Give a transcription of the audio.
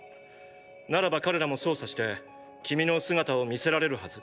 ならば彼らも操作して君の姿を見せられるはず。